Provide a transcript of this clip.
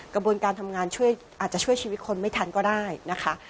กระบวนการทำงานช่วยอาจจะช่วยชีวิตคนไม่ทันก็ได้นะคะ